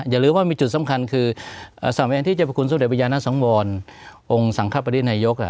อย่าลืมว่ามีจุดสำคัญคือสังเวงที่จะบัคคุณสุริยะวิญญาณสังวรองค์สังครับประเด็นไหนยก